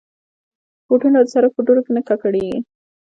بوټونه د سړک په دوړو کې نه ککړېږي.